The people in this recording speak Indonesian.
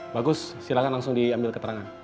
bagus silahkan langsung diambil keterangan